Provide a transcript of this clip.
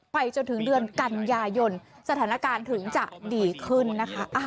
จนถึงเดือนกันยายนสถานการณ์ถึงจะดีขึ้นนะคะ